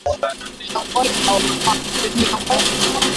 Miongoni mwa mambo ya kustaajabisha ni dari